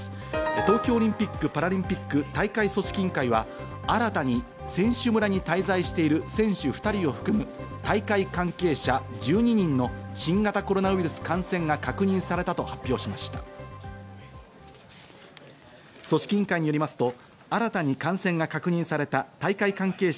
東京オリンピック・パラリンピック大会組織委員会は新たに選手村に滞在している選手２人を含む大会関係者１２人の新型コロナウイルス感染が確認されたと発表しました。